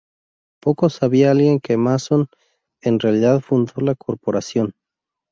Poco sabía alguien que "Mason" en realidad fundó la corporación.